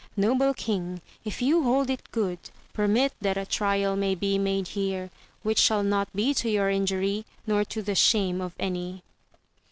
Noble king, if you hold it good, permit that a trial may be made here, which shall not be to your injury nor to the shame of any.